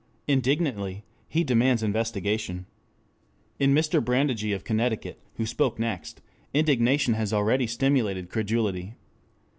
Indignantly he demands investigation. In Mr. Brandegee of Connecticut, who spoke next, indignation has already stimulated credulity.